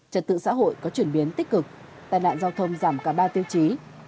trật tự xã hội có chuyển biến tích cực tài nạn giao thông giảm cả ba tiêu chí